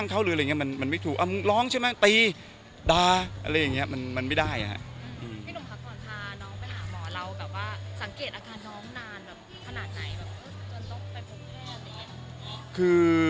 คือ